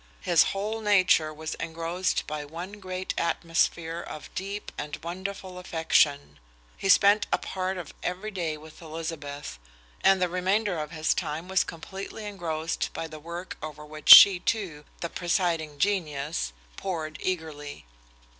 His whole nature was engrossed by one great atmosphere of deep and wonderful affection. He spent a part of every day with Elizabeth, and the remainder of his time was completely engrossed by the work over which she, too, the presiding genius, pored eagerly.